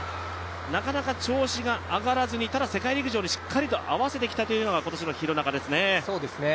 なかなか調子が上がらずに、ただ世界陸上にしっかりと合わせてきたというのが今年の廣中ですね。